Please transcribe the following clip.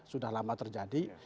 sudah lama terjadi